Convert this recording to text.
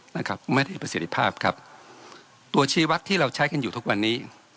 นะครับไม่ได้ประสิทธิภาพครับตัวชีวัตรที่เราใช้กันอยู่ทุกวันนี้